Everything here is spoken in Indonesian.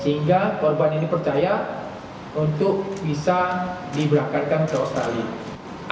sehingga korban ini percaya untuk bisa diberangkatkan ke australia